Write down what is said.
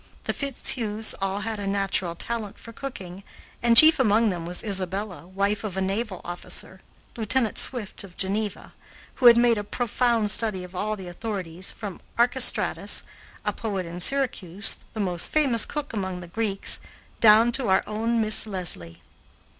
The Fitzhughs all had a natural talent for cooking, and chief among them was Isabella, wife of a naval officer, Lieutenant Swift of Geneva, who had made a profound study of all the authorities from Archestratus, a poet in Syracuse, the most famous cook among the Greeks, down to our own Miss Leslie.